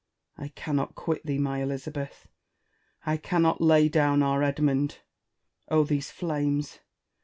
I cannot quit thee, my Elizabeth ! I cannot lay down our Edmund ! Oh, these flames